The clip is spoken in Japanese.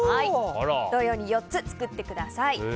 同様に４つ、作ってください。